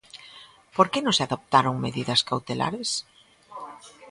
Por que non se adoptaron medidas cautelares?